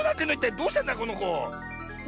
どうしたんだこのこ？